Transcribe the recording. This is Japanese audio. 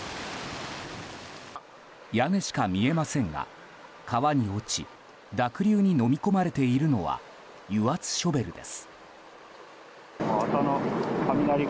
屋根しか見えませんが川に落ち濁流にのみ込まれているのは油圧ショベルです。